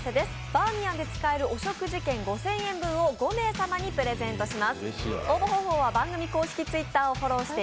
バーミヤンで使えるお食事券５０００円分を５名の皆様にプレゼントします。